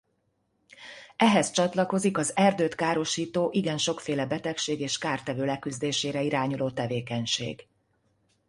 Ehhez csatlakozik az erdőt károsító igen sokféle betegség és kártevő leküzdésére irányuló tevékenység.